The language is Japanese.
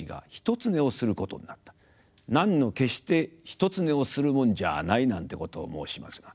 「男女決して一つ寝をするもんじゃない」なんてことを申しますが。